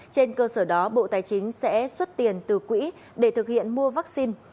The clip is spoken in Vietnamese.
trên cơ sở đó bộ tài chính sẽ xuất tiền từ quỹ để thực hiện mua vaccine